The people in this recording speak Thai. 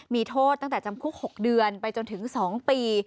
มีโทษตั้งแต่จำคุก๖เดือนไปจนถึง๒ปี